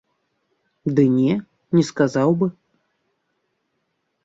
Ды не, не сказаў бы.